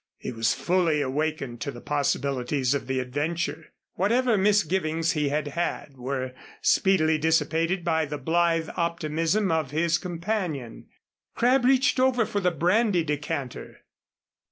He was fully awakened to the possibilities of the adventure. Whatever misgivings he had had were speedily dissipated by the blithe optimism of his companion. Crabb reached over for the brandy decanter.